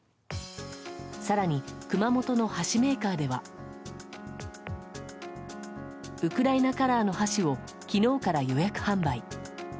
更に熊本の箸メーカーではウクライナカラーの箸を昨日から予約販売。